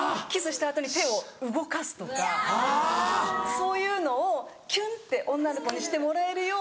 そういうのをキュンって女の子にしてもらえるように。